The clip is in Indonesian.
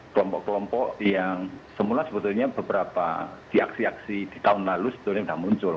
kelompok kelompok yang semula sebetulnya beberapa diaksi aksi di tahun lalu sudah muncul